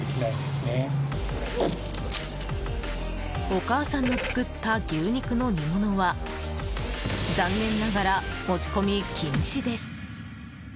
お母さんの作った牛肉の煮物は残念ながら持ち込み禁止です。